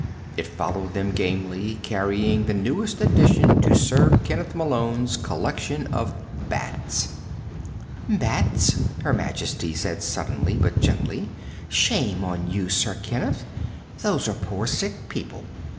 It followed them gamely, carrying the newest addition to Sir Kenneth Malone's Collection of Bats. "Bats?" Her Majesty said suddenly, but gently. "Shame on you, Sir Kenneth. These are poor, sick people.